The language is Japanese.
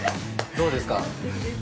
◆どうですか。